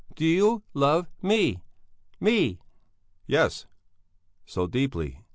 Do you love me? Me?" "Yes! So deeply...."